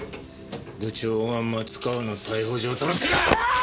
部長が松川の逮捕状取る気かっ！